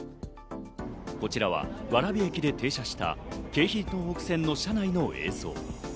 こちらは蕨駅で停車した京浜東北線の車内の映像。